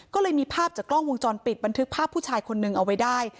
ก็เลยมีภาพจากกล้องวงจรปิดบันทึกภาพผู้ชายคนนึงเอาไว้ได้